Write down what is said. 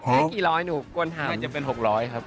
แค่กี่ร้อยหนูกวนถามครับมันจะเป็น๖๐๐ครับ